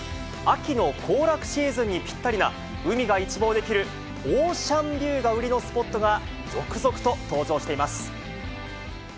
秋の行楽シーズンにぴったりな、海が一望できるオーシャンビューが売りのスポットが、続々と登場しています。